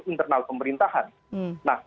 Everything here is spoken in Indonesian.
internal pemerintahan nah